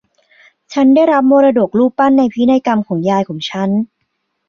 ฉันได้รับมรดกรูปปั้นในพินัยกรรมของยายของฉัน